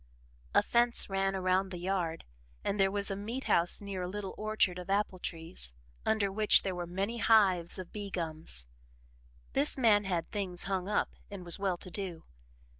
A fence ran around the yard and there was a meat house near a little orchard of apple trees, under which were many hives of bee gums. This man had things "hung up" and was well to do.